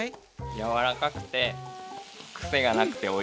やわらかくてクセがなくておいしいです。